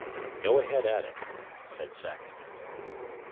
"Go ahead at it," said Sackett.